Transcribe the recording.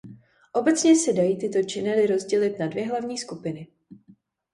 Obecně se dají tyto činely rozdělit na dvě hlavní skupiny.